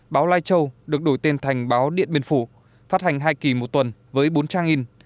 báo lai châu được đổi tên thành báo điện biên phủ phát hành hai kỳ một tuần với bốn trang in